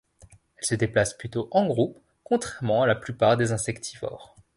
Elle se déplace plutôt en groupe, contrairement à la plupart des insectivores.